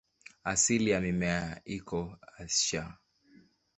Asili ya mimea iko Asia.